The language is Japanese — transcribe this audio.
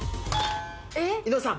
井上さん。